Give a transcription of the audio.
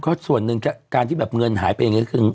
ก็ส่วนหนึ่งการที่แบบเงินหายไปอย่างนี้คือ